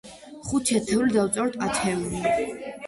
ხუთი ათეული დავწეროთ, ათეული.